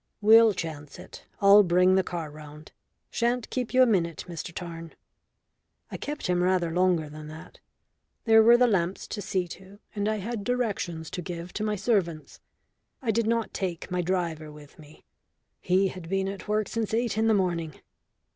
"We'll chance it. I'll bring the car round. Shan't keep you a minute, Mr Tarn." I kept him rather longer than that. There were the lamps to see to, and I had directions to give to my servants. I did not take my driver with me. He had been at work since eight in the morning.